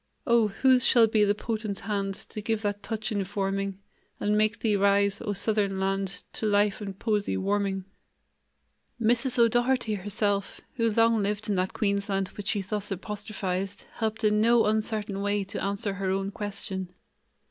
Oh, whose shall be the potent hand To give that touch informing, And make thee rise, O Southern Land, To life and poesy warming?" Mrs. O'Doherty herself, who long lived in that Queensland which she thus apostrophized, helped in no uncertain way to answer her own question.